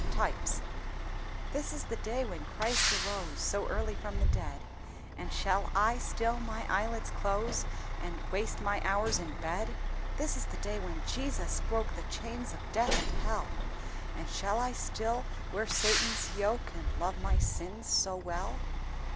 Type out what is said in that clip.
Types. "This is the day when Christ arose, So early from the dead; And shall I still my eyelids close And waste my hours in bed! "This is the day when Jesus broke The chains of death and hell; And shall I still wear Satan's yoke And love my sins so well!"